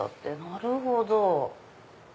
なるほど。